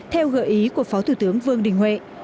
theo gợi ý của phó thủ tướng vương đình huệ